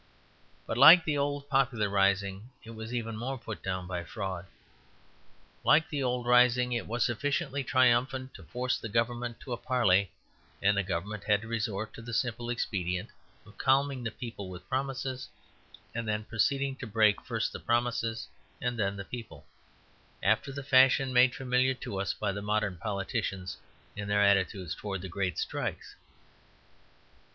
But, like the old popular rising, it was even more put down by fraud. Like the old rising, it was sufficiently triumphant to force the government to a parley; and the government had to resort to the simple expedient of calming the people with promises, and then proceeding to break first the promises and then the people, after the fashion made familiar to us by the modern politicians in their attitude towards the great strikes.